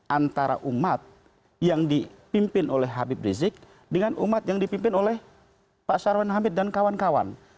antara umat yang dipimpin oleh habib rizik dengan umat yang dipimpin oleh pak sarwan hamid dan kawan kawan